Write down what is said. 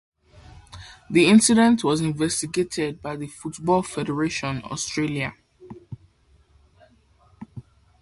The incident was investigated by the Football Federation Australia.